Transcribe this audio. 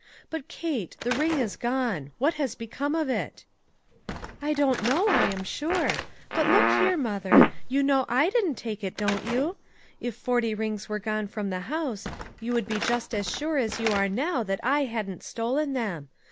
But, Kate, the ring is gone. What has become of it ?"" I don't know, I am sure. But, look here, mother, you know I didn't take it, don't you ? If forty rings were gone from the house, you would be just as sure as you are now that I hadn't stolen them.